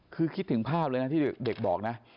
คือคิดถึงภาพเลยนะที่เด็กบอกนะ